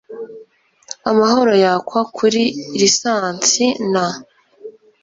AMAHORO YAKWA KURI LISANSI NA